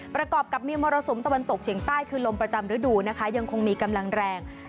ประกอบกับมีมรสุมตะวันตกเฉียงใต้คือลมประจำฤดูนะคะยังคงมีกำลังแรง